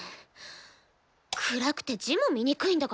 暗くて字も見にくいんだから。